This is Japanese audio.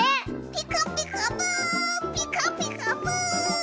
「ピカピカブ！ピカピカブ！」